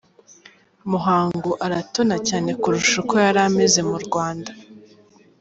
Muhangu aratona cyane kurusha uko yari ameze mu Rwanda.